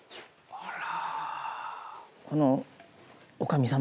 「あら！」